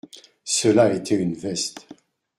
Cela a été une veste !